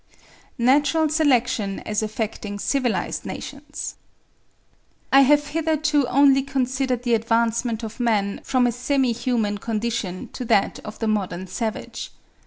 NATURAL SELECTION AS AFFECTING CIVILISED NATIONS. I have hitherto only considered the advancement of man from a semi human condition to that of the modern savage.